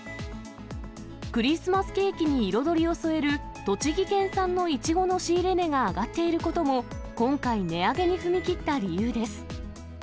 クリスマスケーキに彩りを添える、栃木県産のイチゴの仕入れ値が上がっていることも、今回値上げに踏み切った理由です。